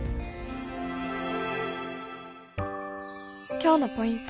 今日のポイント